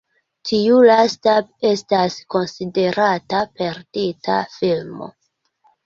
Tiu lasta estas konsiderata perdita filmo.